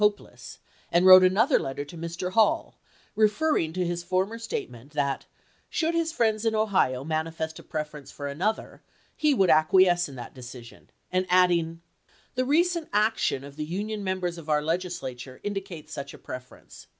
hopclcss, and wrote another letter to Mr. Hall, referring to his former statement that should his friends in Ohio manifest a preference for another he would acquiesce in that decision, and adding: THE POMEEOY CIECULAIl 325 " The recent action of the Union members of chap. xii. our Legislature indicates such a preference.